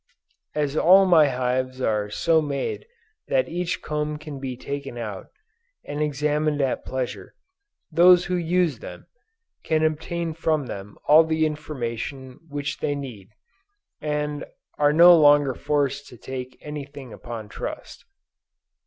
As all my hives are so made that each comb can be taken out, and examined at pleasure, those who use them, can obtain from them all the information which they need, and, are no longer forced to take any thing upon trust.